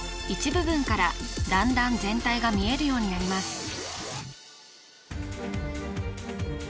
一部分から段々全体が見えるようになります